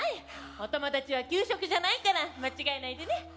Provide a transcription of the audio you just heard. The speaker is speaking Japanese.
お友達は給食じゃないから間違えないでね。